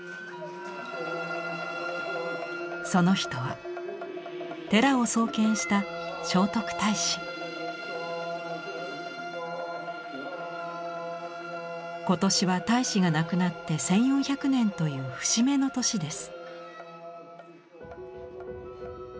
その人は寺を創建した今年は太子が亡くなって１，４００年という節目の年です。